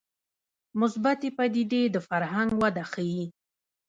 مثبتې پدیدې د فرهنګ وده ښيي